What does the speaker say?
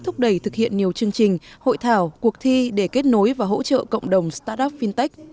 thúc đẩy thực hiện nhiều chương trình hội thảo cuộc thi để kết nối và hỗ trợ cộng đồng start up fintech